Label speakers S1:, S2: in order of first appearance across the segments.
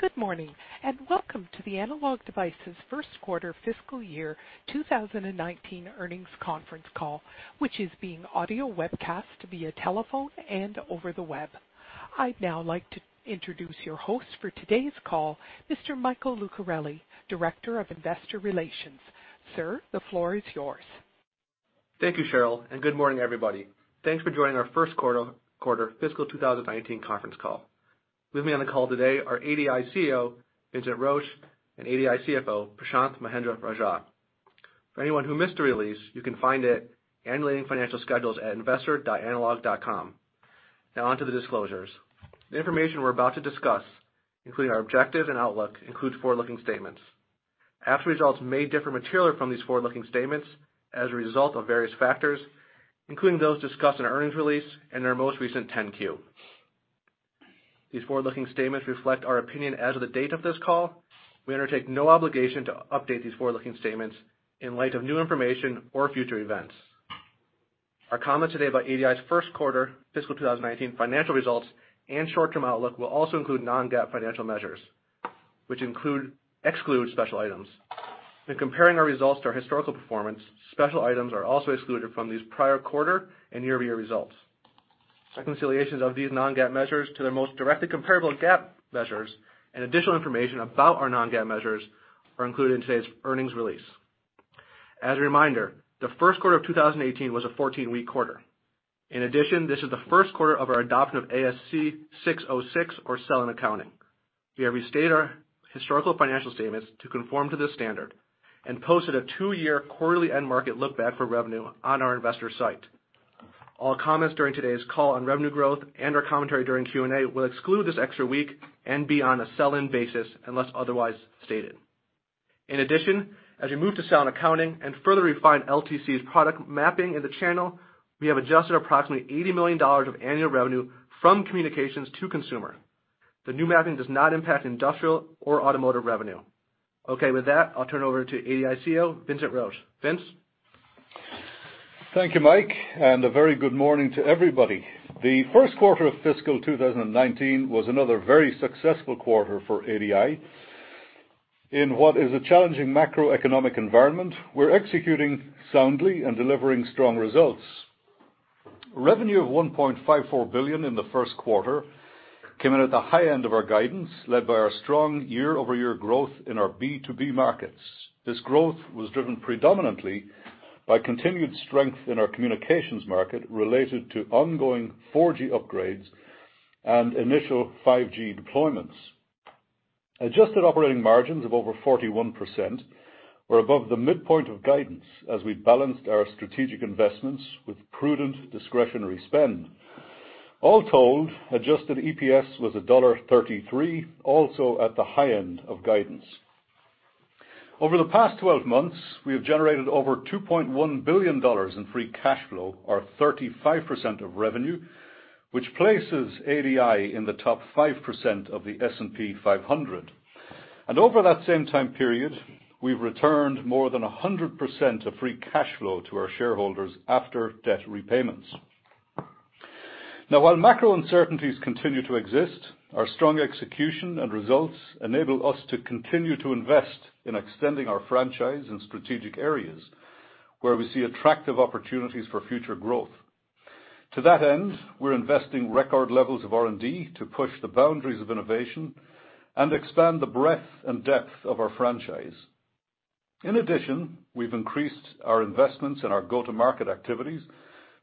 S1: Good morning, and welcome to the Analog Devices first quarter fiscal year 2019 earnings conference call, which is being audio webcast via telephone and over the web. I'd now like to introduce your host for today's call, Mr. Michael Lucarelli, Director of Investor Relations. Sir, the floor is yours.
S2: Thank you, Cheryl, and good morning, everybody. Thanks for joining our first quarter fiscal 2019 conference call. With me on the call today are ADI CEO, Vincent Roche, and ADI CFO, Prashanth Mahendra-Rajah. For anyone who missed the release, you can find it, annual leading financial schedules at investor.analog.com. Now on to the disclosures. The information we're about to discuss, including our objective and outlook, includes forward-looking statements. Actual results may differ materially from these forward-looking statements as a result of various factors, including those discussed in our earnings release and our most recent 10-Q. These forward-looking statements reflect our opinion as of the date of this call. We undertake no obligation to update these forward-looking statements in light of new information or future events. Our comments today about ADI's first quarter fiscal 2019 financial results and short-term outlook will also include non-GAAP financial measures, which exclude special items. When comparing our results to our historical performance, special items are also excluded from these prior quarter and year-over-year results. Reconciliations of these non-GAAP measures to their most directly comparable GAAP measures and additional information about our non-GAAP measures are included in today's earnings release. As a reminder, the first quarter of 2018 was a 14-week quarter. In addition, this is the first quarter of our adoption of ASC 606 or sell-in accounting. We have restated our historical financial statements to conform to this standard and posted a two-year quarterly end market look back for revenue on our investor site. All comments during today's call on revenue growth and our commentary during Q&A will exclude this extra week and be on a sell-in basis unless otherwise stated. In addition, as we move to sell-in accounting and further refine LTC's product mapping in the channel, we have adjusted approximately $80 million of annual revenue from communications to consumer. The new mapping does not impact industrial or automotive revenue. Okay. With that, I'll turn it over to ADI CEO, Vincent Roche. Vince?
S3: Thank you, Mike, a very good morning to everybody. The first quarter of fiscal 2019 was another very successful quarter for ADI. In what is a challenging macroeconomic environment, we're executing soundly and delivering strong results. Revenue of $1.54 billion in the first quarter came in at the high end of our guidance, led by our strong year-over-year growth in our B2B markets. This growth was driven predominantly by continued strength in our communications market related to ongoing 4G upgrades and initial 5G deployments. Adjusted operating margins of over 41% were above the midpoint of guidance as we balanced our strategic investments with prudent discretionary spend. All told, adjusted EPS was $1.33, also at the high end of guidance. Over the past 12 months, we have generated over $2.1 billion in free cash flow, or 35% of revenue, which places ADI in the top 5% of the S&P 500. Over that same time period, we've returned more than 100% of free cash flow to our shareholders after debt repayments. Now, while macro uncertainties continue to exist, our strong execution and results enable us to continue to invest in extending our franchise in strategic areas where we see attractive opportunities for future growth. To that end, we're investing record levels of R&D to push the boundaries of innovation and expand the breadth and depth of our franchise. In addition, we've increased our investments in our go-to-market activities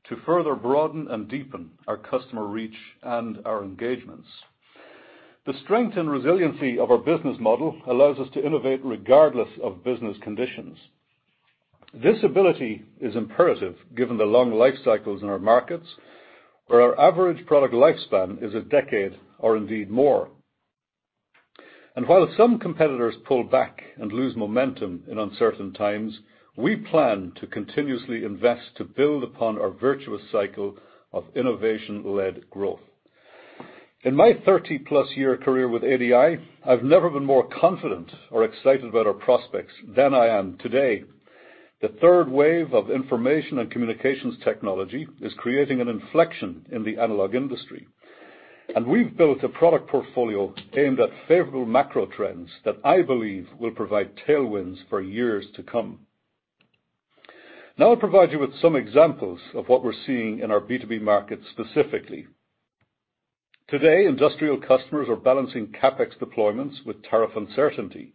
S3: to further broaden and deepen our customer reach and our engagements. The strength and resiliency of our business model allows us to innovate regardless of business conditions. This ability is imperative given the long life cycles in our markets, where our average product lifespan is a decade or indeed more. While some competitors pull back and lose momentum in uncertain times, we plan to continuously invest to build upon our virtuous cycle of innovation-led growth. In my 30-plus year career with ADI, I've never been more confident or excited about our prospects than I am today. The third wave of information and communications technology is creating an inflection in the analog industry, and we've built a product portfolio aimed at favorable macro trends that I believe will provide tailwinds for years to come. Now I'll provide you with some examples of what we're seeing in our B2B markets specifically. Today, industrial customers are balancing CapEx deployments with tariff uncertainty.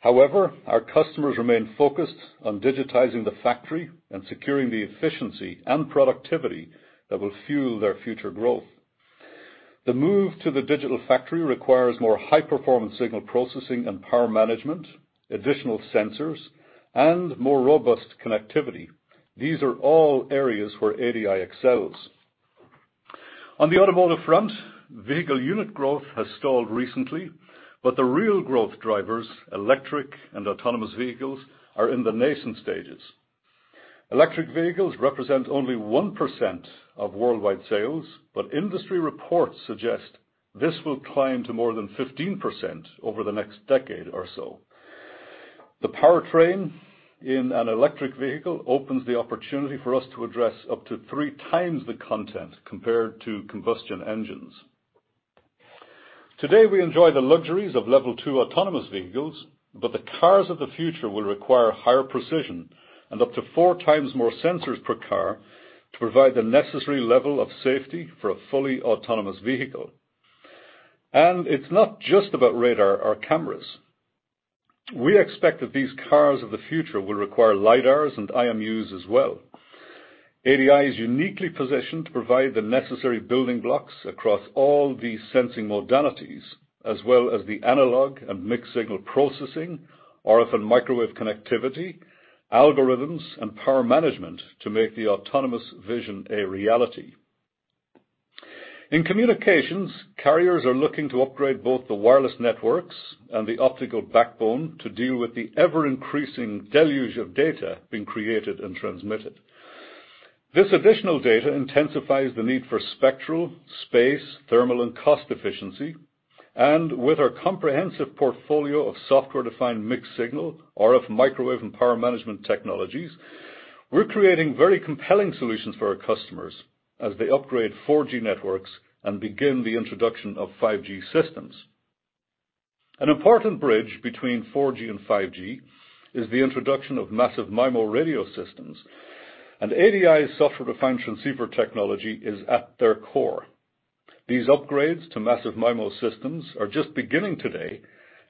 S3: However, our customers remain focused on digitizing the factory and securing the efficiency and productivity that will fuel their future growth. The move to the digital factory requires more high-performance signal processing and power management, additional sensors, more robust connectivity. These are all areas where ADI excels. On the automotive front, vehicle unit growth has stalled recently, but the real growth drivers, electric and autonomous vehicles, are in the nascent stages. Electric vehicles represent only 1% of worldwide sales, but industry reports suggest this will climb to more than 15% over the next decade or so. The powertrain in an electric vehicle opens the opportunity for us to address up to three times the content compared to combustion engines. Today, we enjoy the luxuries of level 2 autonomous vehicles, but the cars of the future will require higher precision and up to four times more sensors per car to provide the necessary level of safety for a fully autonomous vehicle. It's not just about radar or cameras. We expect that these cars of the future will require lidars and IMUs as well. ADI is uniquely positioned to provide the necessary building blocks across all these sensing modalities, as well as the analog and mixed signal processing, RF and microwave connectivity, algorithms, and power management to make the autonomous vision a reality. In communications, carriers are looking to upgrade both the wireless networks and the optical backbone to deal with the ever-increasing deluge of data being created and transmitted. This additional data intensifies the need for spectral, space, thermal, and cost efficiency. With our comprehensive portfolio of software-defined mixed signal, RF, microwave, and power management technologies, we're creating very compelling solutions for our customers as they upgrade 4G networks and begin the introduction of 5G systems. An important bridge between 4G and 5G is the introduction of Massive MIMO radio systems, and ADI's software-defined transceiver technology is at their core. These upgrades to Massive MIMO systems are just beginning today,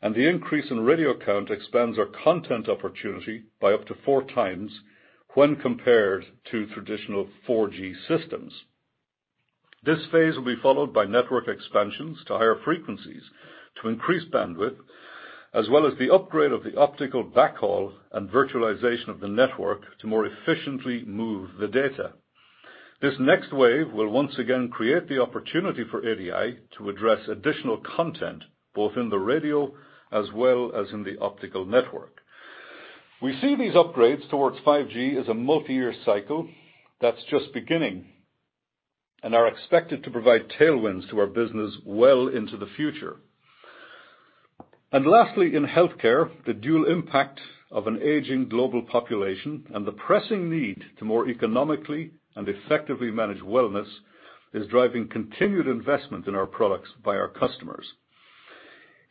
S3: and the increase in radio count expands our content opportunity by up to four times when compared to traditional 4G systems. This phase will be followed by network expansions to higher frequencies to increase bandwidth, as well as the upgrade of the optical backhaul and virtualization of the network to more efficiently move the data. This next wave will once again create the opportunity for ADI to address additional content, both in the radio as well as in the optical network. We see these upgrades towards 5G as a multiyear cycle that's just beginning and are expected to provide tailwinds to our business well into the future. Lastly, in healthcare, the dual impact of an aging global population and the pressing need to more economically and effectively manage wellness is driving continued investment in our products by our customers.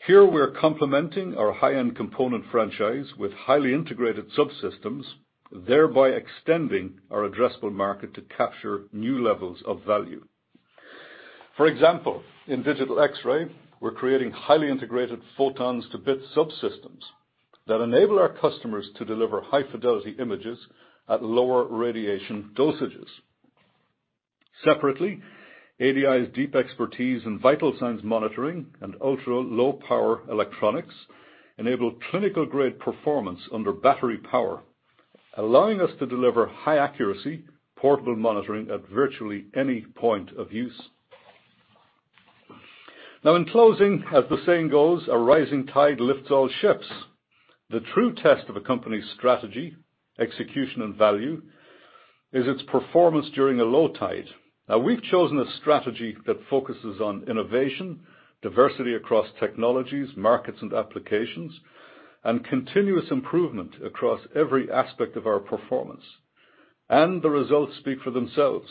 S3: Here we're complementing our high-end component franchise with highly integrated subsystems, thereby extending our addressable market to capture new levels of value. For example, in digital X-ray, we're creating highly integrated photons-to-bits subsystems that enable our customers to deliver high-fidelity images at lower radiation dosages. Separately, ADI's deep expertise in vital signs monitoring and ultra-low power electronics enable clinical-grade performance under battery power, allowing us to deliver high accuracy, portable monitoring at virtually any point of use. Now in closing, as the saying goes, "A rising tide lifts all ships." The true test of a company's strategy, execution, and value is its performance during a low tide. Now, we've chosen a strategy that focuses on innovation, diversity across technologies, markets, and applications, and continuous improvement across every aspect of our performance. The results speak for themselves.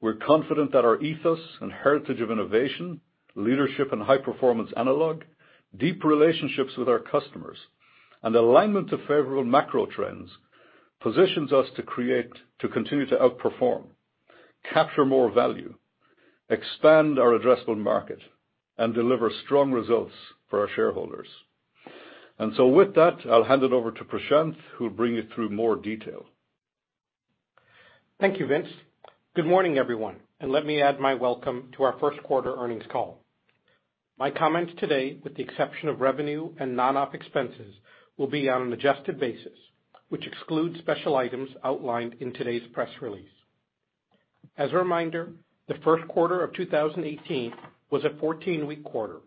S3: We're confident that our ethos and heritage of innovation, leadership, and high-performance analog, deep relationships with our customers, and alignment to favorable macro trends positions us to continue to outperform, capture more value, expand our addressable market, and deliver strong results for our shareholders. With that, I'll hand it over to Prashanth, who will bring you through more detail.
S4: Thank you, Vince. Good morning, everyone, let me add my welcome to our first quarter earnings call. My comments today, with the exception of revenue and non-op expenses, will be on an adjusted basis, which excludes special items outlined in today's press release. As a reminder, the first quarter of 2018 was a 14-week quarter,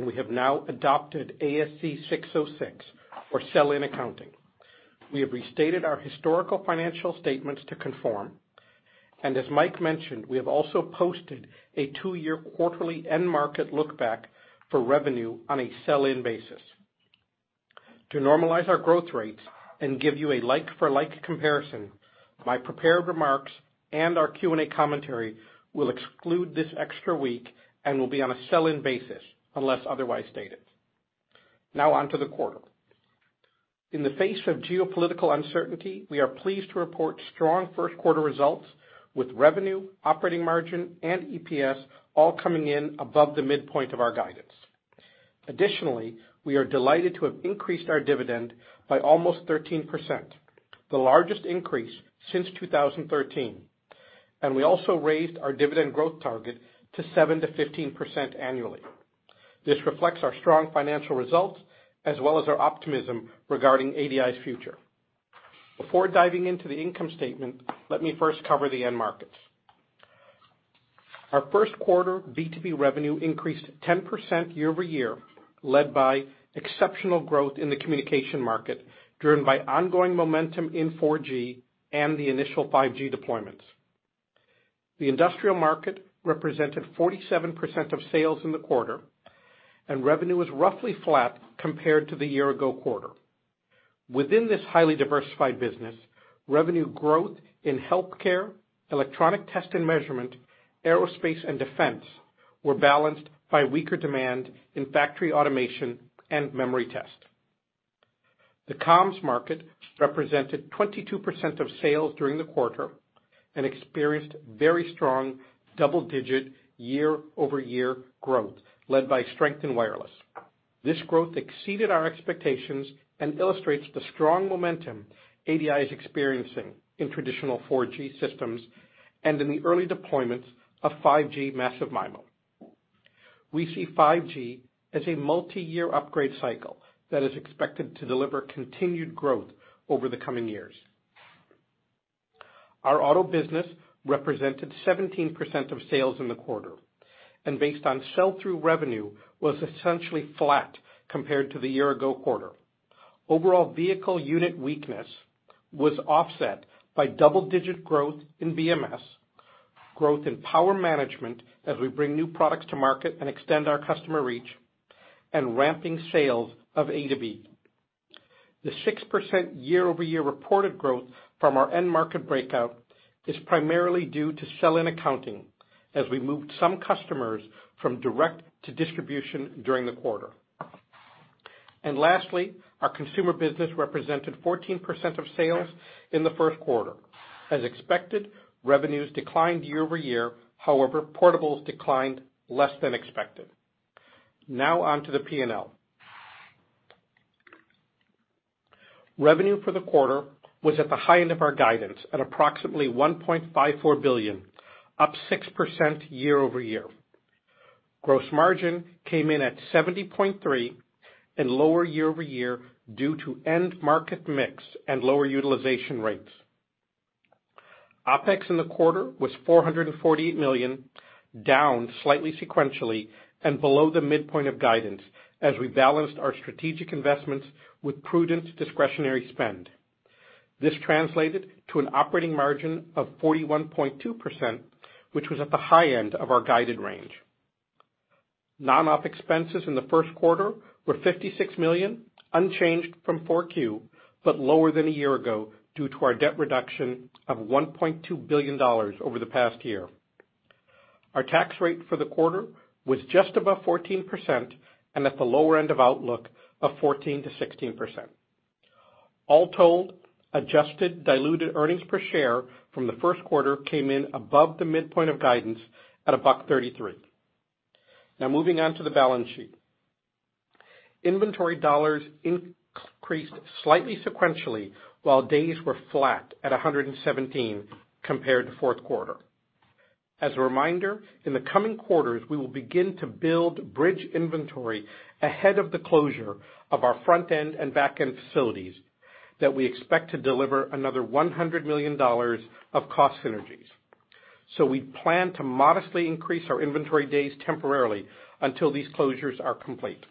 S4: we have now adopted ASC 606 for sell-in accounting. We have restated our historical financial statements to conform. As Mike mentioned, we have also posted a two-year quarterly end market look back for revenue on a sell-in basis. To normalize our growth rates and give you a like-for-like comparison, my prepared remarks and our Q&A commentary will exclude this extra week and will be on a sell-in basis unless otherwise stated. On to the quarter. In the face of geopolitical uncertainty, we are pleased to report strong first quarter results with revenue, operating margin, and EPS all coming in above the midpoint of our guidance. Additionally, we are delighted to have increased our dividend by almost 13%, the largest increase since 2013. We also raised our dividend growth target to 7%-15% annually. This reflects our strong financial results as well as our optimism regarding ADI's future. Before diving into the income statement, let me first cover the end markets. Our first quarter B2B revenue increased 10% year-over-year, led by exceptional growth in the communication market, driven by ongoing momentum in 4G and the initial 5G deployments. The industrial market represented 47% of sales in the quarter, and revenue was roughly flat compared to the year-ago quarter. Within this highly diversified business, revenue growth in healthcare, electronic test and measurement, aerospace, and defense were balanced by weaker demand in factory automation and memory test. The comms market represented 22% of sales during the quarter and experienced very strong double-digit year-over-year growth led by strength in wireless. This growth exceeded our expectations and illustrates the strong momentum ADI is experiencing in traditional 4G systems and in the early deployments of 5G Massive MIMO. We see 5G as a multiyear upgrade cycle that is expected to deliver continued growth over the coming years. Our auto business represented 17% of sales in the quarter, and based on sell-through revenue, was essentially flat compared to the year-ago quarter. Overall vehicle unit weakness was offset by double-digit growth in BMS, growth in power management as we bring new products to market and extend our customer reach, and ramping sales of A2B. The 6% year-over-year reported growth from our end market breakout is primarily due to sell-in accounting as we moved some customers from direct to distribution during the quarter. Lastly, our consumer business represented 14% of sales in the first quarter. As expected, revenues declined year-over-year. However, portables declined less than expected. On to the P&L. Revenue for the quarter was at the high end of our guidance at approximately $1.54 billion, up 6% year-over-year. Gross margin came in at 70.3% and lower year-over-year due to end market mix and lower utilization rates. OpEx in the quarter was $448 million, down slightly sequentially and below the midpoint of guidance as we balanced our strategic investments with prudent discretionary spend. This translated to an operating margin of 41.2%, which was at the high end of our guided range. Non-op expenses in the first quarter were $56 million, unchanged from Q4, but lower than a year ago due to our debt reduction of $1.2 billion over the past year. Our tax rate for the quarter was just above 14% and at the lower end of outlook of 14%-16%. All told, adjusted diluted earnings per share from the first quarter came in above the midpoint of guidance at $1.33. Moving on to the balance sheet. Inventory dollars increased slightly sequentially while days were flat at 117 compared to fourth quarter. As a reminder, in the coming quarters, we will begin to build bridge inventory ahead of the closure of our front-end and back-end facilities that we expect to deliver another $100 million of cost synergies. We plan to modestly increase our inventory days temporarily until these closures are complete.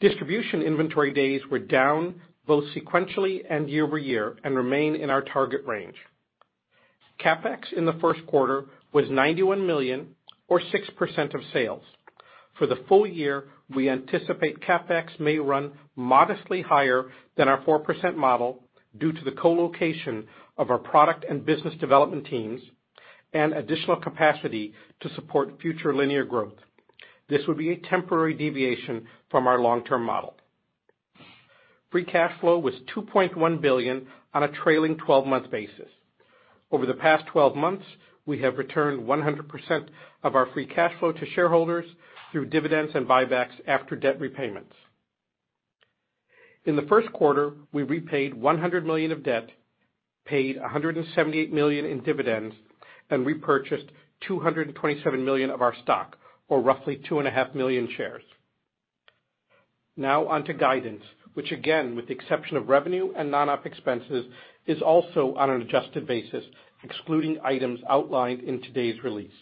S4: Distribution inventory days were down both sequentially and year-over-year and remain in our target range. CapEx in the first quarter was $91 million or 6% of sales. For the full year, we anticipate CapEx may run modestly higher than our 4% model due to the co-location of our product and business development teams, and additional capacity to support future linear growth. This would be a temporary deviation from our long-term model. Free cash flow was $2.1 billion on a trailing 12-month basis. Over the past 12 months, we have returned 100% of our free cash flow to shareholders through dividends and buybacks after debt repayments. In the first quarter, we repaid $100 million of debt, paid $178 million in dividends, and repurchased $227 million of our stock, or roughly 2.5 million shares. On to guidance, which again, with the exception of revenue and Non-op expenses, is also on an adjusted basis, excluding items outlined in today's release.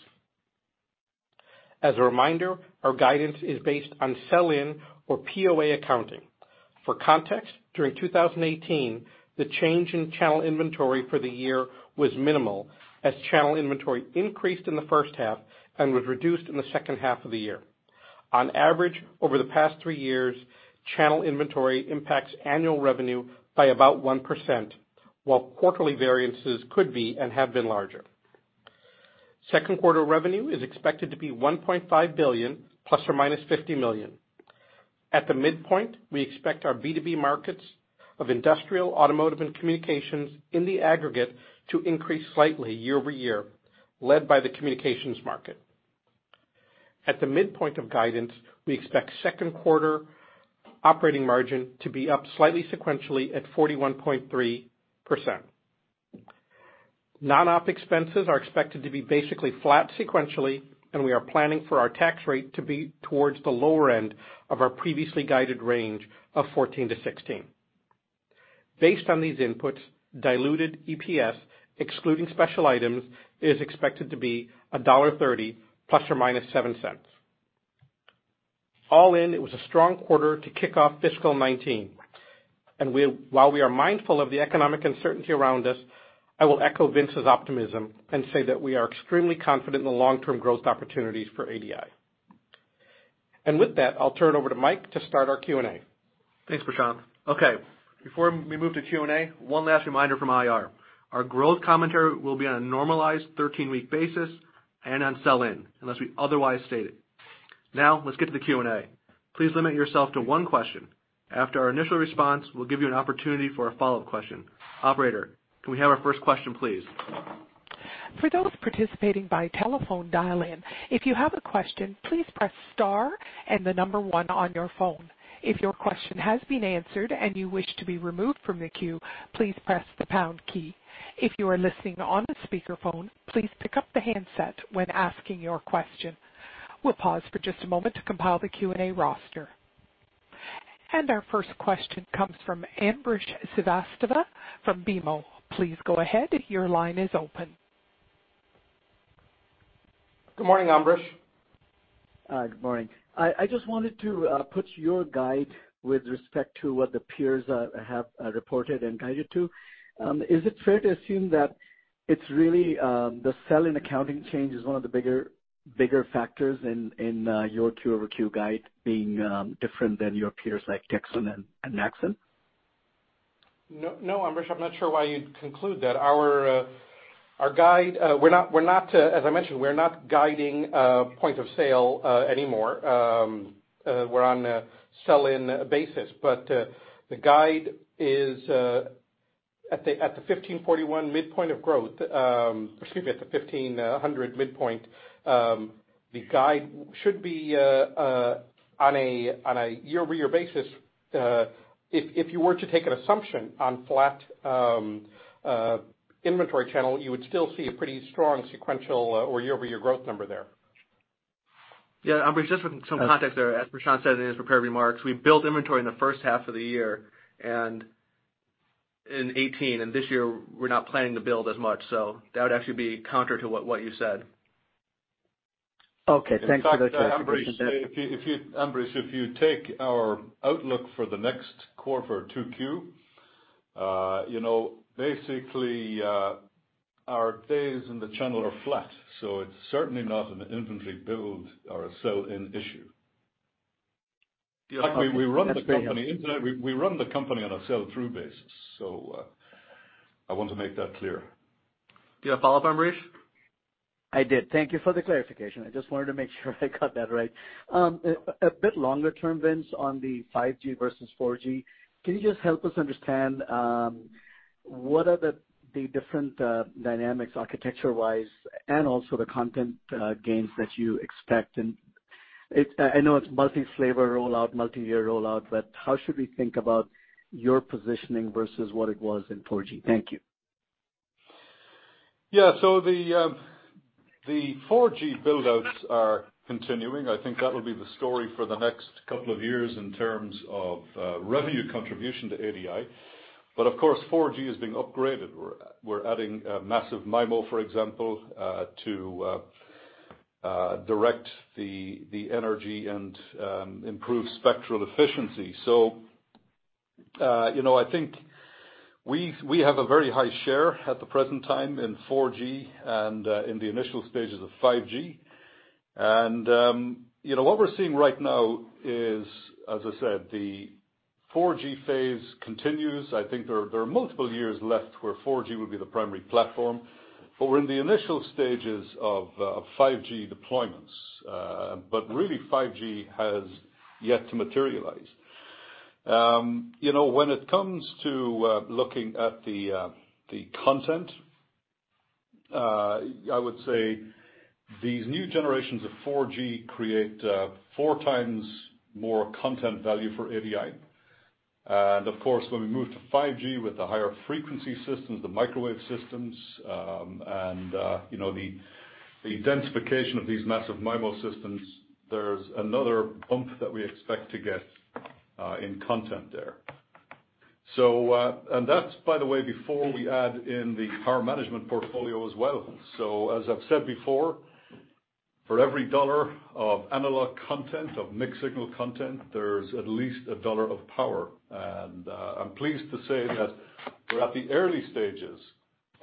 S4: As a reminder, our guidance is based on sell-in or POA accounting. For context, during 2018, the change in channel inventory for the year was minimal as channel inventory increased in the first half and was reduced in the second half of the year. On average, over the past three years, channel inventory impacts annual revenue by about 1%, while quarterly variances could be and have been larger. Second quarter revenue is expected to be $1.5 billion ±$50 million. At the midpoint, we expect our B2B markets of industrial, automotive, and communications in the aggregate to increase slightly year-over-year, led by the communications market. At the midpoint of guidance, we expect second quarter operating margin to be up slightly sequentially at 41.3%. Non-op expenses are expected to be basically flat sequentially, and we are planning for our tax rate to be towards the lower end of our previously guided range of 14%-16%. Based on these inputs, diluted EPS, excluding special items, is expected to be $1.30 ±$0.07. All in, it was a strong quarter to kick off fiscal 2019. While we are mindful of the economic uncertainty around us, I will echo Vince's optimism and say that we are extremely confident in the long-term growth opportunities for ADI. With that, I'll turn it over to Mike to start our Q&A.
S2: Thanks, Prashanth. Okay, before we move to Q&A, one last reminder from IR. Our growth commentary will be on a normalized 13-week basis and on sell-in, unless we otherwise state it. Now, let's get to the Q&A. Please limit yourself to one question. After our initial response, we'll give you an opportunity for a follow-up question. Operator, can we have our first question, please?
S1: For those participating by telephone dial-in, if you have a question, please press star and the number 1 on your phone. If your question has been answered and you wish to be removed from the queue, please press the pound key. If you are listening on speakerphone, please pick up the handset when asking your question. We'll pause for just a moment to compile the Q&A roster. Our first question comes from Ambrish Srivastava from BMO. Please go ahead, your line is open.
S4: Good morning, Ambrish.
S5: Hi. Good morning. I just wanted to put your guide with respect to what the peers have reported and guided to. Is it fair to assume that it's really the sell-in accounting change is one of the bigger factors in your Q-over-Q guide being different than your peers like Texas Instruments and Maxim?
S4: No, Ambrish, I'm not sure why you'd conclude that. As I mentioned, we're not guiding point of sale anymore. We're on a sell-in basis. The guide is at the 1,541 midpoint of growth, excuse me, at the 1,500 midpoint, the guide should be on a year-over-year basis. If you were to take an assumption on flat inventory channel, you would still see a pretty strong sequential or year-over-year growth number there.
S2: Yeah. Ambrish, just for some context there, as Prashanth said in his prepared remarks, we built inventory in the first half of the year in 2018, and this year we're not planning to build as much. That would actually be counter to what you said.
S5: Okay. Thanks for the clarification.
S3: In fact, Ambrish, if you take our outlook for the next quarter, 2Q, basically, our days in the channel are flat. It's certainly not an inventory build or a sell-in issue. We run the company on a sell-through basis, so I want to make that clear.
S2: Do you have a follow-up, Ambrish?
S5: I did. Thank you for the clarification. I just wanted to make sure I got that right. A bit longer term, Vince, on the 5G versus 4G, can you just help us understand what are the different dynamics architecture-wise and also the content gains that you expect? I know it's multi-flavor rollout, multi-year rollout, but how should we think about your positioning versus what it was in 4G? Thank you.
S3: The 4G build-outs are continuing. I think that'll be the story for the next couple of years in terms of revenue contribution to ADI. Of course, 4G is being upgraded. We're adding Massive MIMO, for example, to direct the energy and improve spectral efficiency. I think we have a very high share at the present time in 4G and in the initial stages of 5G. What we're seeing right now is, as I said, the 4G phase continues. I think there are multiple years left where 4G will be the primary platform, but we're in the initial stages of 5G deployments. Really 5G has yet to materialize. When it comes to looking at the content, I would say these new generations of 4G create four times more content value for ADI. Of course, when we move to 5G with the higher frequency systems, the microwave systems, and the densification of these Massive MIMO systems, there's another bump that we expect to get in content there. That's, by the way, before we add in the power management portfolio as well. As I've said before, for every dollar of analog content, of mixed signal content, there's at least a dollar of power. I'm pleased to say that we're at the early stages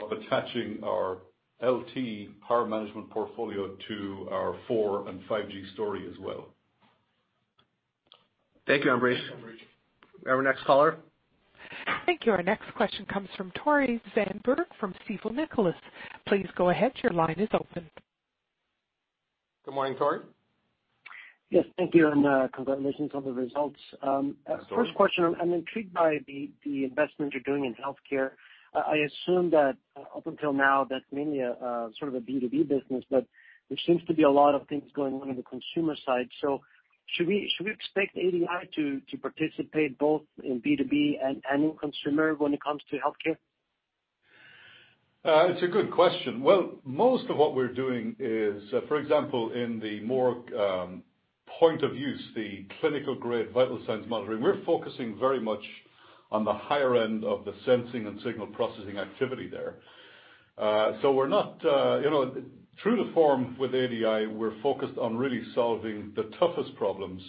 S3: of attaching our LT power management portfolio to our 4 and 5G story as well.
S2: Thank you, Ambrish. Our next caller.
S1: Thank you. Our next question comes from Tore Svanberg from Stifel Nicolaus. Please go ahead, your line is open.
S4: Good morning, Tore.
S6: Yes. Thank you, and congratulations on the results.
S4: Tore.
S6: First question, I'm intrigued by the investment you're doing in healthcare. I assume that up until now, that's mainly sort of a B2B business, but there seems to be a lot of things going on in the consumer side. Should we expect ADI to participate both in B2B and in consumer when it comes to healthcare?
S3: It's a good question. Well, most of what we're doing is, for example, in the more point of use, the clinical-grade vital signs monitoring, we're focusing very much on the higher end of the sensing and signal processing activity there. True to form with ADI, we're focused on really solving the toughest problems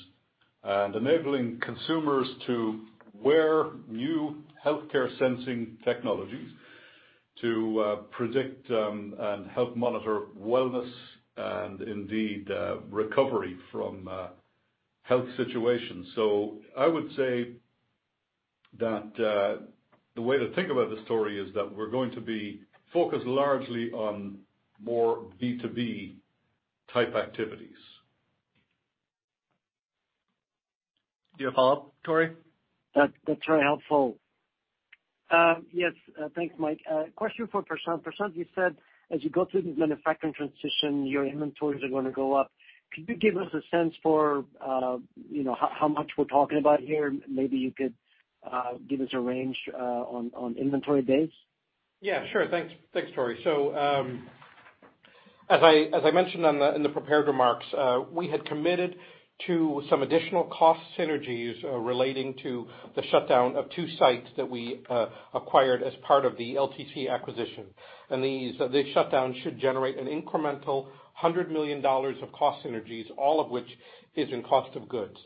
S3: and enabling consumers to wear new healthcare sensing technologies to predict and help monitor wellness and indeed, recovery from health situations. I would say that the way to think about the story is that we're going to be focused largely on more B2B type activities.
S2: Do you have a follow-up, Tore?
S6: That's very helpful. Yes, thanks, Mike. Question for Prashanth. Prashanth, you said as you go through the manufacturing transition, your inventories are going to go up. Could you give us a sense for how much we're talking about here? Maybe you could give us a range on inventory days.
S4: Yeah, sure. Thanks, Tore. As I mentioned in the prepared remarks, we had committed to some additional cost synergies relating to the shutdown of two sites that we acquired as part of the LTC acquisition. These shutdowns should generate an incremental $100 million of cost synergies, all of which is in cost of goods.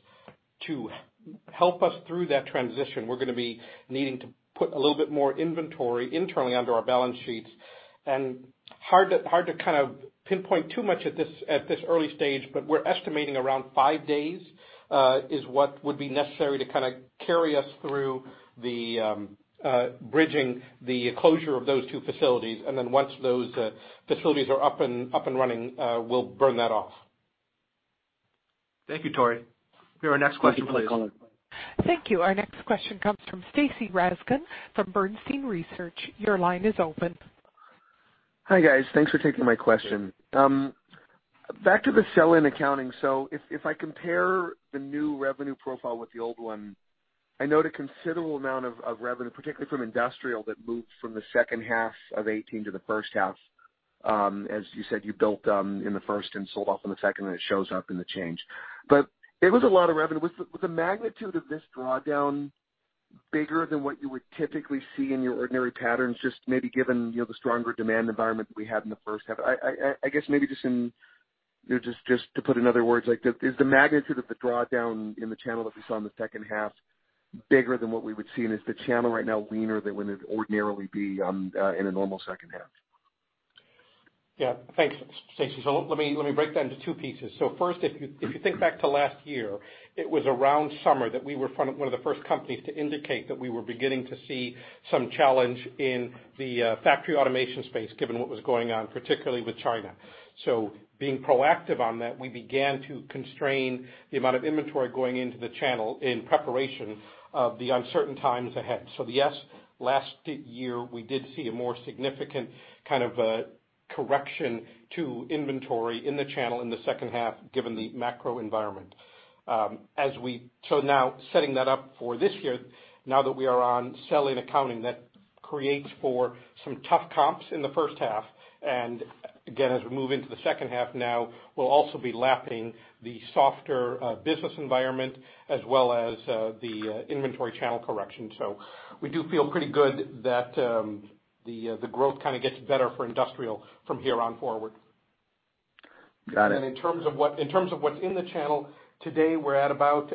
S4: To help us through that transition, we're going to be needing to put a little bit more inventory internally under our balance sheets. Hard to kind of pinpoint too much at this early stage, but we're estimating around five days, is what would be necessary to kind of carry us through the bridging the closure of those two facilities. Then once those facilities are up and running, we'll burn that off.
S2: Thank you, Tori. Can we go to our next question, please?
S7: Thank you for the call.
S6: Thank you. Our next question comes from Stacy Rasgon from Bernstein Research. Your line is open.
S7: Hi, guys. Thanks for taking my question. Back to the sell-in accounting. If I compare the new revenue profile with the old one, I note a considerable amount of revenue, particularly from industrial, that moved from the second half of 2018 to the first half. As you said, you built in the first and sold off in the second, and it shows up in the change. It was a lot of revenue. Was the magnitude of this drawdown bigger than what you would typically see in your ordinary patterns, just maybe given the stronger demand environment that we had in the first half? I guess maybe just to put in other words, is the magnitude of the drawdown in the channel that we saw in the second half bigger than what we would see, and is the channel right now leaner than it would ordinarily be in a normal second half?
S4: Thanks, Stacy. Let me break that into two pieces. First, if you think back to last year, it was around summer that we were one of the first companies to indicate that we were beginning to see some challenge in the factory automation space, given what was going on, particularly with China. Being proactive on that, we began to constrain the amount of inventory going into the channel in preparation of the uncertain times ahead. Yes, last year, we did see a more significant kind of a correction to inventory in the channel in the second half, given the macro environment. Now setting that up for this year, now that we are on sell-in accounting, that creates for some tough comps in the first half. Again, as we move into the second half now, we'll also be lapping the softer business environment as well as the inventory channel correction. We do feel pretty good that the growth kind of gets better for industrial from here on forward.
S7: Got it.
S4: In terms of what's in the channel, today we're at about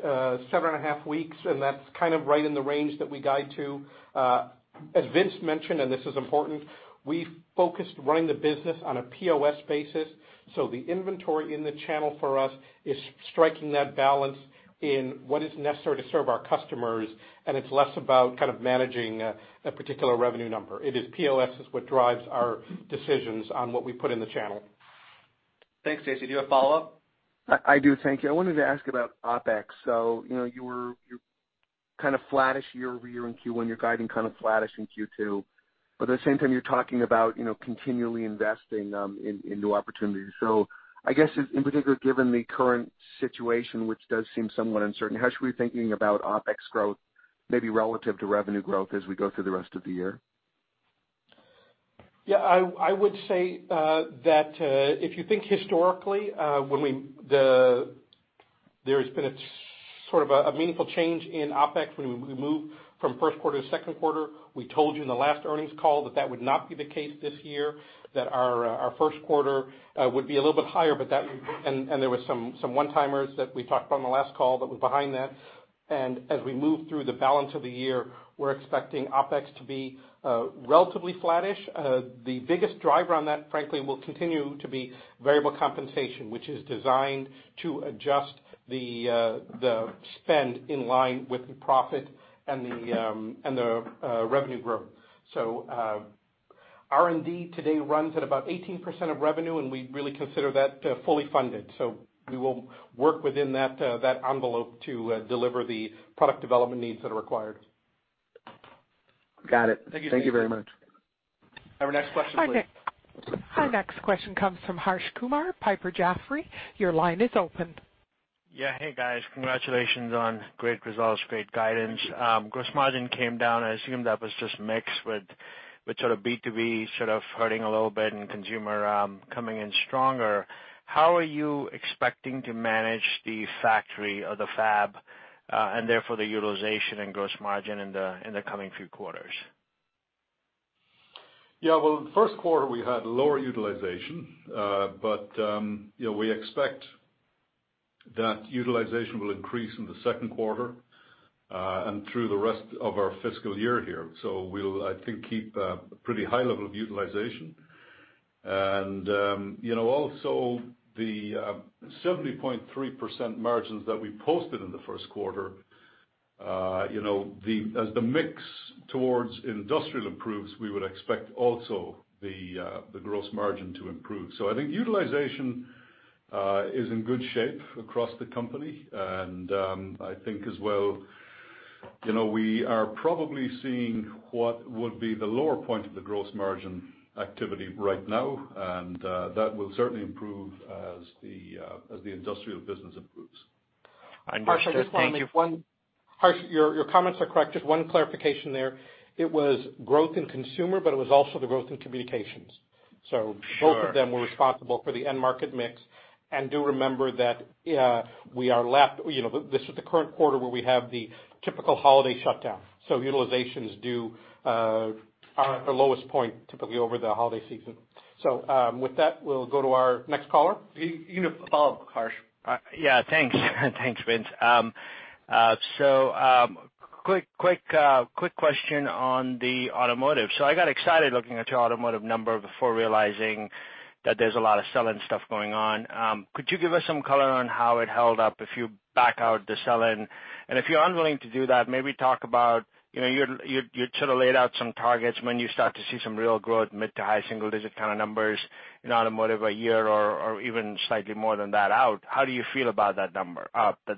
S4: seven and a half weeks, and that's kind of right in the range that we guide to. As Vince mentioned, this is important, we focused running the business on a POS basis. The inventory in the channel for us is striking that balance in what is necessary to serve our customers, and it's less about kind of managing a particular revenue number. It is POS is what drives our decisions on what we put in the channel.
S2: Thanks, Stacy. Do you have a follow-up?
S7: I do. Thank you. I wanted to ask about OpEx. You were kind of flattish year-over-year in Q1. You're guiding kind of flattish in Q2. At the same time, you're talking about continually investing in new opportunities. I guess in particular, given the current situation, which does seem somewhat uncertain, how should we be thinking about OpEx growth, maybe relative to revenue growth as we go through the rest of the year?
S4: Yeah, I would say that if you think historically, there's been a sort of a meaningful change in OpEx when we move from first quarter to second quarter. We told you in the last earnings call that that would not be the case this year, that our first quarter would be a little bit higher, and there was some one-timers that we talked about on the last call that were behind that. As we move through the balance of the year, we're expecting OpEx to be relatively flattish. The biggest driver on that, frankly, will continue to be variable compensation, which is designed to adjust the spend in line with the profit and the revenue growth. R&D today runs at about 18% of revenue, and we really consider that fully funded. We will work within that envelope to deliver the product development needs that are required.
S7: Got it.
S4: Thank you, Stacy.
S7: Thank you very much.
S2: Our next question, please.
S1: Our next question comes from Harsh Kumar, Piper Jaffray. Your line is open.
S8: Yeah. Hey, guys. Congratulations on great results, great guidance.
S4: Thank you.
S8: Gross margin came down. I assume that was just mixed with sort of B2B sort of hurting a little bit and consumer coming in stronger, how are you expecting to manage the factory or the fab, and therefore the utilization and gross margin in the coming few quarters?
S3: Yeah. Well, in the first quarter we had lower utilization. We expect that utilization will increase in the second quarter, and through the rest of our fiscal year here. We'll, I think, keep a pretty high level of utilization. Also the 70.3% margins that we posted in the first quarter, as the mix towards industrial improves, we would expect also the gross margin to improve. I think utilization is in good shape across the company, and I think as well we are probably seeing what would be the lower point of the gross margin activity right now, and that will certainly improve as the industrial business improves.
S8: I understand. Thank you.
S4: Harsh, your comments are correct. Just one clarification there. It was growth in consumer, but it was also the growth in communications.
S8: Sure.
S2: Both of them were responsible for the end market mix. Do remember that this is the current quarter where we have the typical holiday shutdown, so utilization is due at the lowest point typically over the holiday season. With that, we'll go to our next caller.
S8: You can follow up, Harsh. Thanks. Thanks, Vince. Quick question on the automotive. I got excited looking at your automotive number before realizing that there's a lot of sell-in stuff going on. Could you give us some color on how it held up if you back out the sell-in? If you're unwilling to do that, maybe talk about, you sort of laid out some targets, when you start to see some real growth, mid to high single-digit kind of numbers in automotive a year or even slightly more than that out. How do you feel about that number, the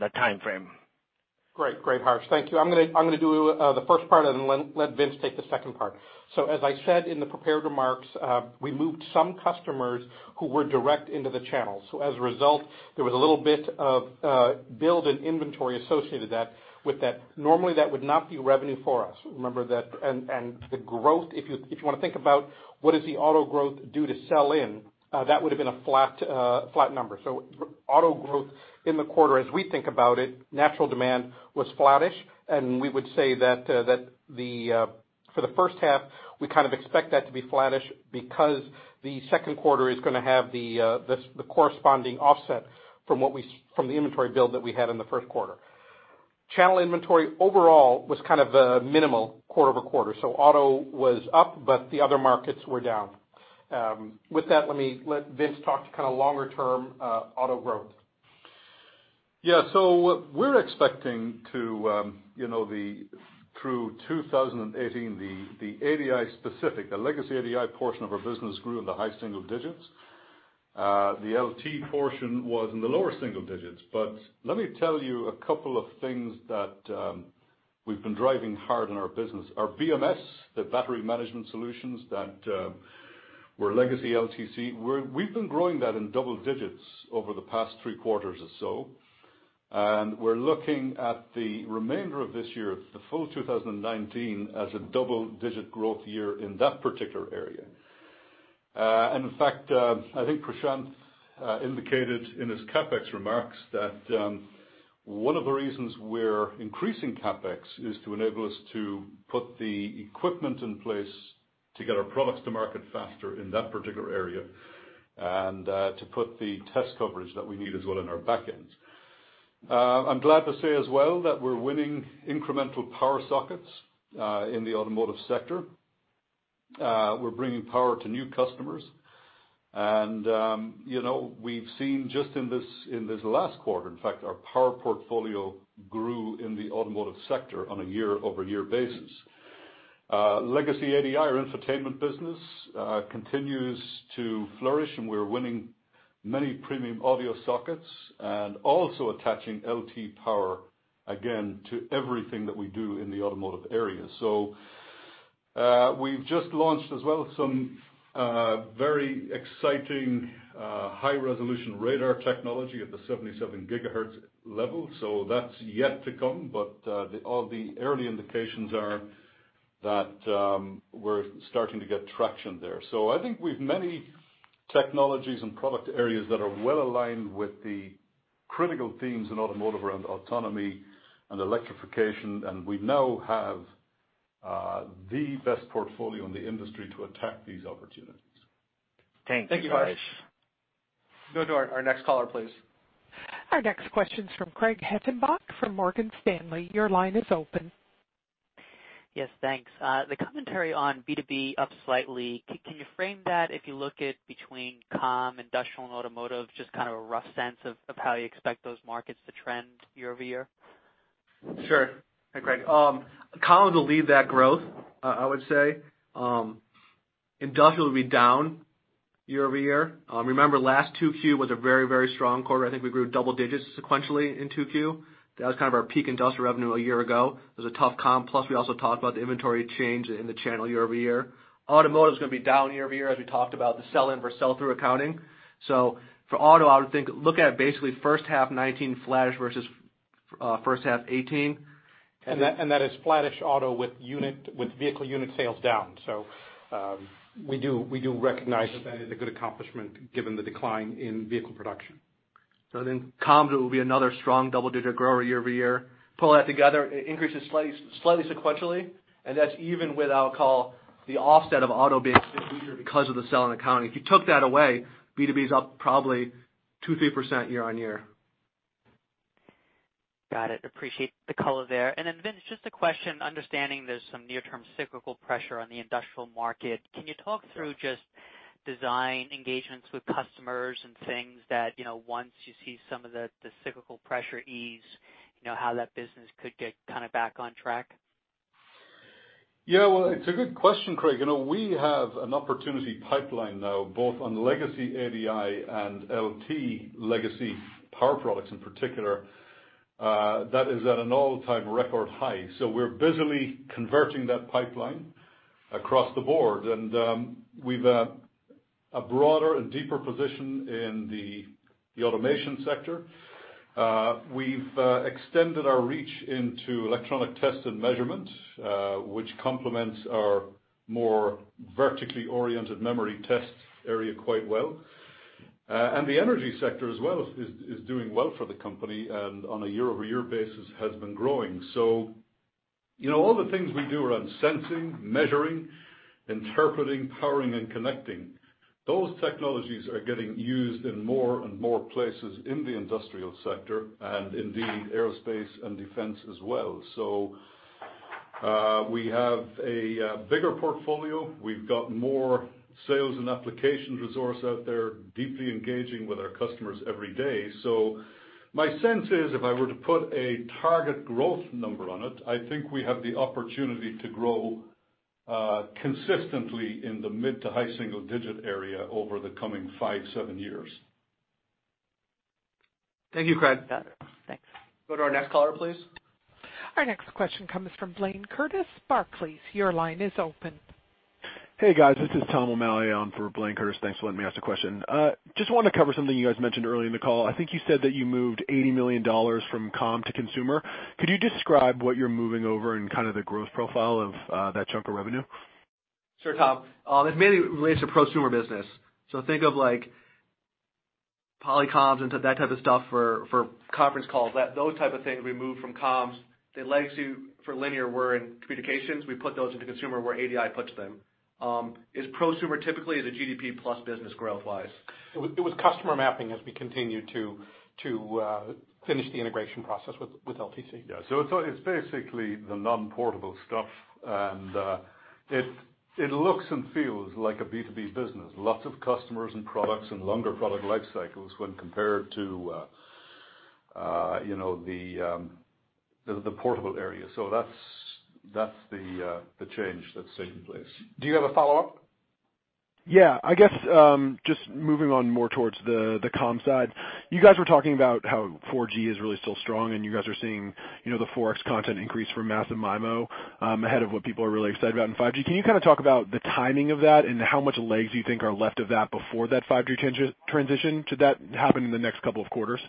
S8: timeframe?
S4: Great, Harsh. Thank you. I'm going to do the first part and let Vince take the second part. As I said in the prepared remarks, we moved some customers who were direct into the channel. As a result, there was a little bit of build and inventory associated with that. Normally, that would not be revenue for us. Remember that. The growth, if you want to think about what is the auto growth due to sell-in, that would've been a flat number. Auto growth in the quarter, as we think about it, natural demand was flattish, and we would say that for the first half, we kind of expect that to be flattish because the second quarter is going to have the corresponding offset from the inventory build that we had in the first quarter. Channel inventory overall was kind of a minimal quarter-over-quarter. Auto was up, but the other markets were down. With that, let me let Vince talk to kind of longer term auto growth.
S3: Yeah. We're expecting to, through 2018, the ADI specific, the legacy ADI portion of our business grew in the high single digits. The LT portion was in the lower single digits. Let me tell you a couple of things that we've been driving hard in our business. Our BMS, the battery management solutions that were legacy LTC, we've been growing that in double digits over the past three quarters or so. We're looking at the remainder of this year, the full 2019, as a double-digit growth year in that particular area. In fact, I think Prashanth indicated in his CapEx remarks that one of the reasons we're increasing CapEx is to enable us to put the equipment in place to get our products to market faster in that particular area, and to put the test coverage that we need as well in our back end. I'm glad to say as well that we're winning incremental power sockets in the automotive sector. We're bringing power to new customers and we've seen just in this last quarter, in fact, our power portfolio grew in the automotive sector on a year-over-year basis. Legacy ADI, our infotainment business, continues to flourish, and we're winning many premium audio sockets and also attaching LT power again to everything that we do in the automotive area. We've just launched as well some very exciting high-resolution radar technology at the 77 gigahertz level. That's yet to come, but all the early indications are that we're starting to get traction there. I think we've many technologies and product areas that are well aligned with the critical themes in automotive around autonomy and electrification, and we now have the best portfolio in the industry to attack these opportunities.
S8: Thank you, guys.
S2: Thank you, Harsh. We go to our next caller, please.
S1: Our next question's from Craig Hettenbach from Morgan Stanley. Your line is open.
S9: Yes, thanks. The commentary on B2B up slightly, can you frame that, if you look at between comm, industrial, and automotive, just kind of a rough sense of how you expect those markets to trend year-over-year?
S4: Sure. Hey, Craig. Comm will lead that growth, I would say. Industrial will be down year-over-year. Remember, last 2Q was a very strong quarter. I think we grew double digits sequentially in 2Q. That was kind of our peak industrial revenue a year ago. It was a tough comm, plus we also talked about the inventory change in the channel year-over-year. Automotive's going to be down year-over-year as we talked about the sell-in versus sell-through accounting. For auto, I would look at basically first half 2019 flattish versus
S2: First half 2018.
S4: That is flattish auto with vehicle unit sales down. We do recognize that that is a good accomplishment given the decline in vehicle production.
S2: Comms will be another strong double-digit grower year-over-year. Pull that together, it increases slightly sequentially, and that's even with, I'll call, the offset of auto being a bit weaker because of the sell in accounting. If you took that away, B2B's up probably 2%-3% year-on-year.
S9: Got it. Appreciate the color there. Vince, just a question, understanding there's some near-term cyclical pressure on the industrial market, can you talk through just design engagements with customers and things that, once you see some of the cyclical pressure ease, how that business could get back on track?
S3: Well, it's a good question, Craig. We have an opportunity pipeline now, both on legacy ADI and LT legacy power products, in particular, that is at an all-time record high. We're busily converting that pipeline across the board. We've a broader and deeper position in the automation sector. We've extended our reach into electronic test and measurement, which complements our more vertically oriented memory test area quite well. The energy sector as well is doing well for the company, and on a year-over-year basis has been growing. All the things we do around sensing, measuring, interpreting, powering, and connecting, those technologies are getting used in more and more places in the industrial sector and in the aerospace and defense as well. We have a bigger portfolio. We've got more sales and application resource out there deeply engaging with our customers every day. My sense is, if I were to put a target growth number on it, I think we have the opportunity to grow consistently in the mid to high single-digit area over the coming five, seven years.
S2: Thank you, Craig.
S9: Got it. Thanks.
S2: Go to our next caller, please.
S1: Our next question comes from Blayne Curtis, Barclays. Your line is open.
S10: Hey, guys. This is Tom O'Malley. I'm for Blayne Curtis. Thanks for letting me ask the question. Just wanted to cover something you guys mentioned early in the call. I think you said that you moved $80 million from comm to consumer. Could you describe what you're moving over and kind of the growth profile of that chunk of revenue?
S2: Sure, Tom. It mainly relates to prosumer business. Think of Polycoms and type of stuff for conference calls. Those type of things we moved from comms. The legacy for Linear were in communications. We put those into consumer, where ADI puts them. Prosumer typically is a GDP plus business growth wise.
S4: It was customer mapping as we continued to finish the integration process with LTC.
S3: Yeah. It's basically the non-portable stuff, and it looks and feels like a B2B business. Lots of customers and products and longer product life cycles when compared to the portable area. That's the change that's taking place.
S2: Do you have a follow-up?
S10: Yeah. I guess, just moving on more towards the comms side. You guys were talking about how 4G is really still strong and you guys are seeing the 4X content increase for Massive MIMO ahead of what people are really excited about in 5G. Can you kind of talk about the timing of that and how much legs you think are left of that before that 5G transition? Should that happen in the next couple of quarters?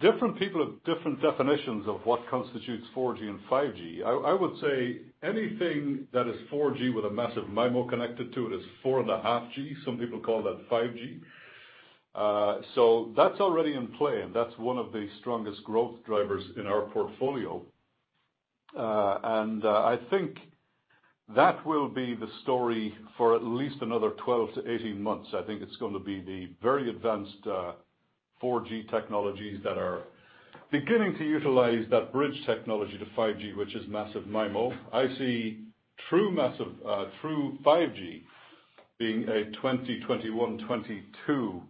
S3: Different people have different definitions of what constitutes 4G and 5G. I would say anything that is 4G with a Massive MIMO connected to it is 4.5G. Some people call that 5G. That's already in play, and that's one of the strongest growth drivers in our portfolio. I think that will be the story for at least another 12 to 18 months. I think it's going to be the very advanced 4G technologies that are beginning to utilize that bridge technology to 5G, which is Massive MIMO. I see true 5G being a 2021, 2022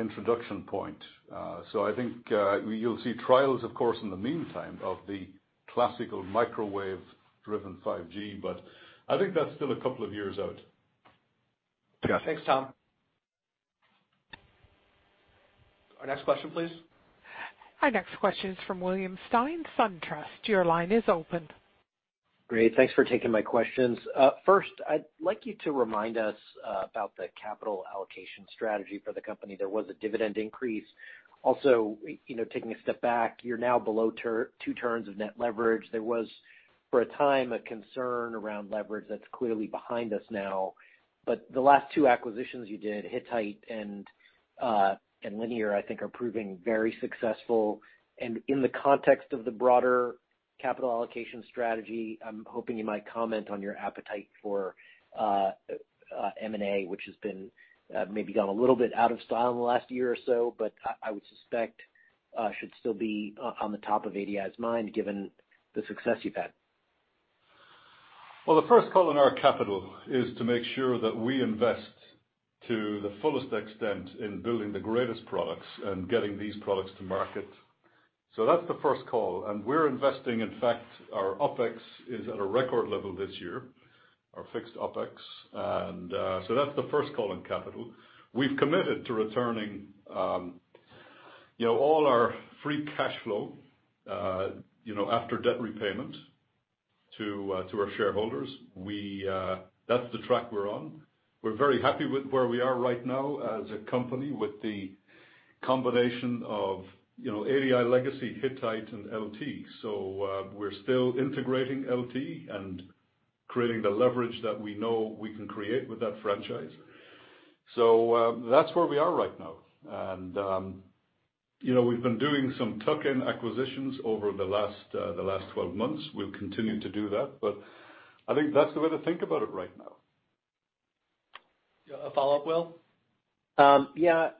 S3: introduction point. I think you'll see trials, of course, in the meantime of the classical microwave-driven 5G, but I think that's still a couple of years out.
S10: Got it.
S2: Thanks, Tom. Our next question, please.
S1: Our next question is from William Stein, SunTrust. Your line is open.
S11: Thanks for taking my questions. First, I'd like you to remind us about the capital allocation strategy for the company. There was a dividend increase. Also, taking a step back, you're now below two turns of net leverage. There was, for a time, a concern around leverage that's clearly behind us now. The last two acquisitions you did, Hittite and Linear, I think are proving very successful. In the context of the broader capital allocation strategy, I'm hoping you might comment on your appetite for M&A, which has maybe gone a little bit out of style in the last year or so, but I would suspect should still be on the top of ADI's mind given the success you've had.
S3: The first call on our capital is to make sure that we invest to the fullest extent in building the greatest products and getting these products to market. That's the first call, we're investing. In fact, our OpEx is at a record level this year, our fixed OpEx. That's the first call on capital. We've committed to returning all our free cash flow after debt repayment to our shareholders. That's the track we're on. We're very happy with where we are right now as a company with the combination of ADI legacy, Hittite, and LT. We're still integrating LT and creating the leverage that we know we can create with that franchise. That's where we are right now. We've been doing some tuck-in acquisitions over the last 12 months. We'll continue to do that, I think that's the way to think about it right now.
S4: A follow-up, Will?
S11: Yeah.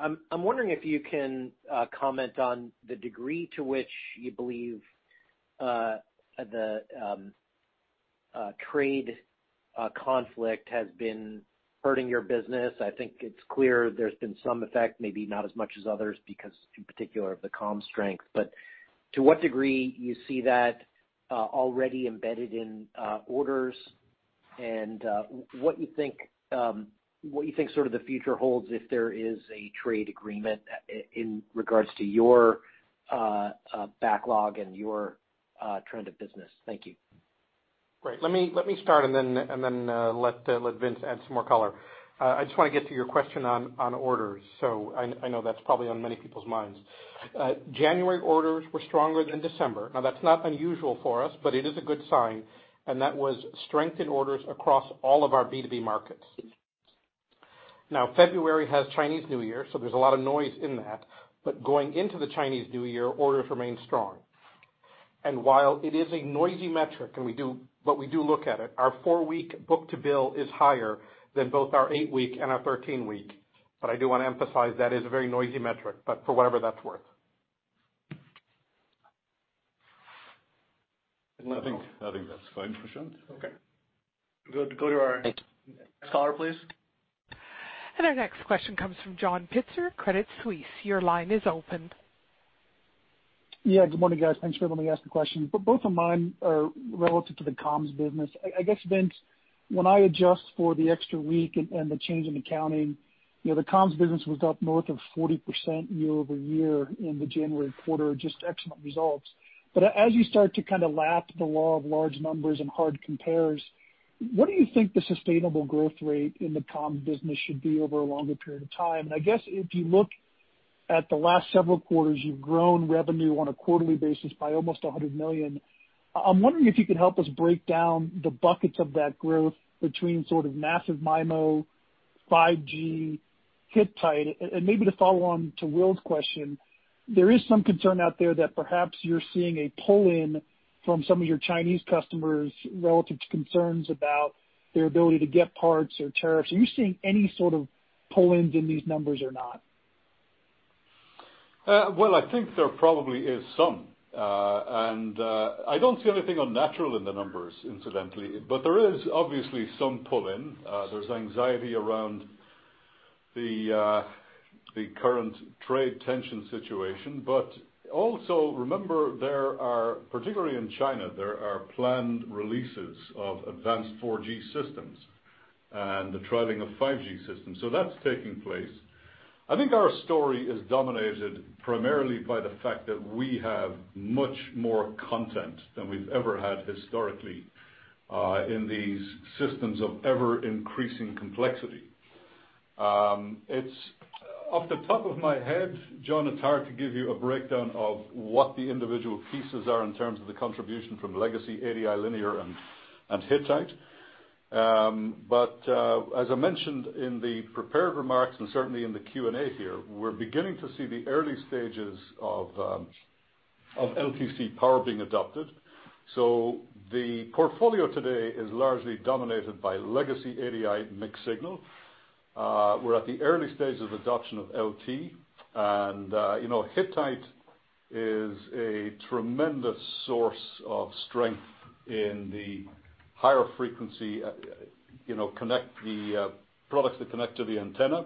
S11: I'm wondering if you can comment on the degree to which you believe the trade conflict has been hurting your business. I think it's clear there's been some effect, maybe not as much as others, because in particular of the comms strength. To what degree you see that already embedded in orders and what you think the future holds if there is a trade agreement in regards to your backlog and your trend of business. Thank you.
S4: Great. Let me start and then let Vince add some more color. I just want to get to your question on orders. I know that's probably on many people's minds. January orders were stronger than December. That's not unusual for us, but it is a good sign, and that was strength in orders across all of our B2B markets. February has Chinese New Year, so there's a lot of noise in that. Going into the Chinese New Year, orders remain strong. While it is a noisy metric, we do look at it, our four-week book to bill is higher than both our eight-week and our 13-week. I do want to emphasize that is a very noisy metric, for whatever that's worth.
S3: I think that's fine, Prashanth.
S4: Okay. Go to our-
S11: Thank you
S4: Next caller, please.
S1: Our next question comes from John Pitzer, Credit Suisse. Your line is open.
S12: Yeah, good morning, guys. Thanks for letting me ask a question. Both of mine are relative to the comms business. I guess, Vince, when I adjust for the extra week and the change in accounting, the comms business was up north of 40% year-over-year in the January quarter, just excellent results. As you start to kind of lap the law of large numbers and hard compares, what do you think the sustainable growth rate in the comm business should be over a longer period of time? I guess if you look at the last several quarters, you've grown revenue on a quarterly basis by almost $100 million. I'm wondering if you could help us break down the buckets of that growth between sort of Massive MIMO, 5G, Hittite, and maybe to follow on to Will's question, there is some concern out there that perhaps you're seeing a pull-in from some of your Chinese customers relative to concerns about their ability to get parts or tariffs. Are you seeing any sort of pull-ins in these numbers or not?
S3: Well, I think there probably is some. I don't see anything unnatural in the numbers, incidentally, there is obviously some pull-in. There's anxiety around the current trade tension situation. Also remember, particularly in China, there are planned releases of advanced 4G systems and the trialing of 5G systems. That's taking place. I think our story is dominated primarily by the fact that we have much more content than we've ever had historically in these systems of ever-increasing complexity. Off the top of my head, John, it's hard to give you a breakdown of what the individual pieces are in terms of the contribution from legacy ADI, Linear, and Hittite. As I mentioned in the prepared remarks, and certainly in the Q&A here, we're beginning to see the early stages of LTC power being adopted. The portfolio today is largely dominated by legacy ADI mixed signal. We're at the early stages of adoption of LT, and Hittite is a tremendous source of strength in the higher frequency products that connect to the antenna.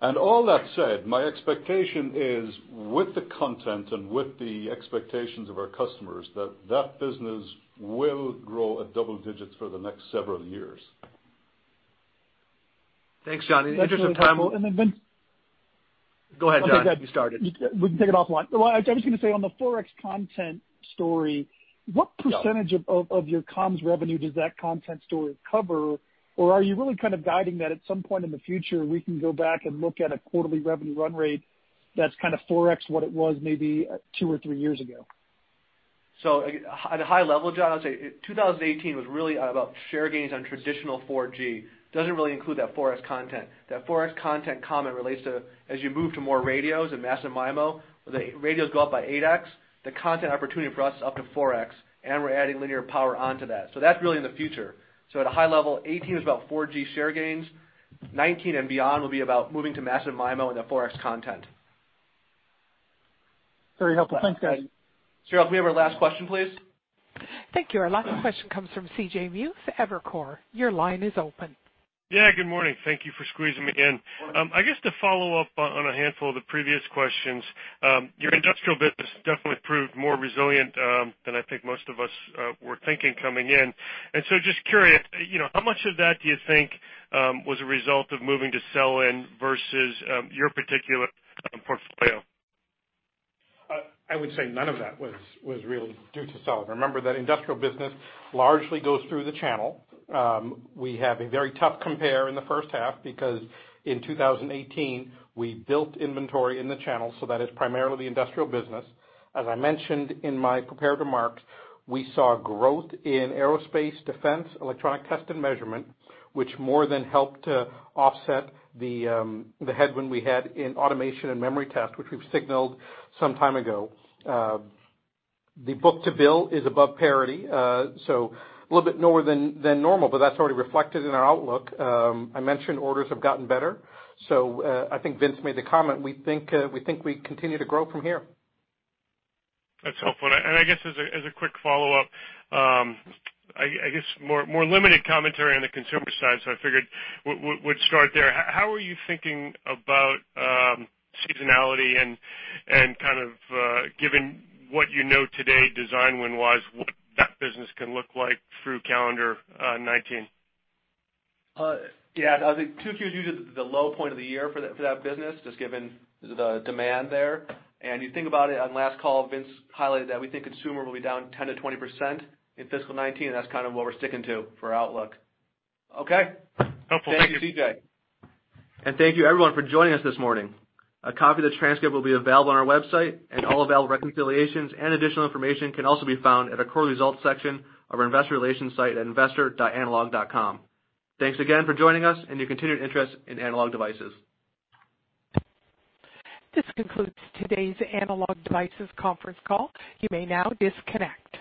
S3: All that said, my expectation is with the content and with the expectations of our customers, that that business will grow at double digits for the next several years.
S4: Thanks, John. In the interest of time-
S12: Vince.
S4: Go ahead, John.
S12: I'm happy to have you started. We can take it offline. I was going to say on the 4X content story, what percentage of your comms revenue does that content story cover? Or are you really kind of guiding that at some point in the future, we can go back and look at a quarterly revenue run rate that's kind of 4X what it was maybe two or three years ago?
S4: At a high level, John, I'd say 2018 was really about share gains on traditional 4G. Doesn't really include that 4X content. That 4X content comment relates to as you move to more radios and Massive MIMO, the radios go up by 8X, the content opportunity for us is up to 4X, and we're adding linear power onto that. That's really in the future. At a high level, 2018 was about 4G share gains, 2019 and beyond will be about moving to Massive MIMO and the 4X content.
S12: Very helpful. Thanks, guys.
S4: Cheryl, can we have our last question, please?
S1: Thank you. Our last question comes from CJ Muse, Evercore. Your line is open.
S13: Yeah, good morning. Thank you for squeezing me in. I guess to follow up on a handful of the previous questions, your industrial business definitely proved more resilient than I think most of us were thinking coming in. Just curious, how much of that do you think was a result of moving to sell-in versus your particular portfolio?
S4: I would say none of that was really due to sell-in. Remember that industrial business largely goes through the channel. We have a very tough compare in the first half because in 2018, we built inventory in the channel, so that is primarily industrial business. As I mentioned in my prepared remarks, we saw growth in aerospace, defense, electronic test and measurement, which more than helped to offset the headwind we had in automation and memory test, which we've signaled some time ago. The book to bill is above parity, so a little bit lower than normal, but that's already reflected in our outlook. I mentioned orders have gotten better, so I think Vince made the comment, we think we continue to grow from here.
S13: That's helpful. I guess as a quick follow-up, I guess more limited commentary on the consumer side, so I figured we'd start there. How are you thinking about seasonality and kind of given what you know today design win-wise, what that business can look like through calendar 2019?
S4: Yeah. I think 2Q is usually the low point of the year for that business, just given the demand there. You think about it on last call, Vince highlighted that we think consumer will be down 10%-20% in fiscal 2019, and that's kind of what we're sticking to for outlook. Okay.
S13: Helpful. Thank you.
S4: Thanks, CJ. Thank you everyone for joining us this morning. A copy of the transcript will be available on our website, and all available reconciliations and additional information can also be found at our Core Results section of our investor relations site at investor.analog.com. Thanks again for joining us and your continued interest in Analog Devices.
S1: This concludes today's Analog Devices conference call. You may now disconnect.